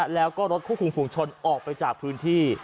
แล้วก็รถควบคุมฝุงชนออกไปจากพื้นที่